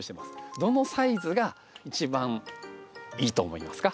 どのサイズが一番いいと思いますか？